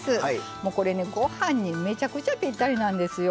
もうこれねごはんにめちゃくちゃぴったりなんですよ。